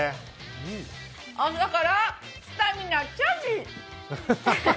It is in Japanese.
朝からスタミナチャージ！